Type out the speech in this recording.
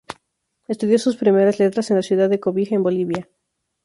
Estudió sus primeras letras en la ciudad de Cobija, en Bolivia.